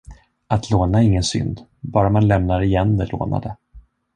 Att låna är ingen synd, bara man lämnar igen det lånade.